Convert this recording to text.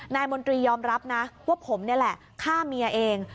มนตรียอมรับนะว่าผมนี่แหละฆ่าเมียเอง